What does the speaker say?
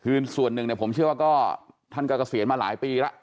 คือส่วนหนึ่งเนี่ยผมเชื่อว่าก็ท่านก็เกษียณมาหลายปีแล้ว